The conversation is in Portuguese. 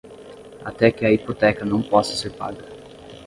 Até que a hipoteca não possa ser paga